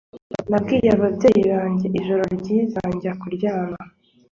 Nabwiye ababyeyi banjye ijoro ryiza njya kuryama